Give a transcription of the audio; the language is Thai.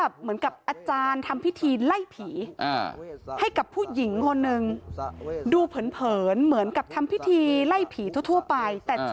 เพจแม่ทับลิง๓ทับ๑เขาโพสต์เอาไว้